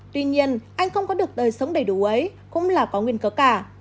tuy nhiên anh không có được đời sống đầy đủ ấy cũng là có nguyên cớ cả